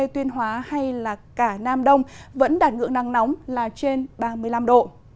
tuyên hóa hay là cả nam đông vẫn đạt ngưỡng nắng nóng là trên ba mươi năm độ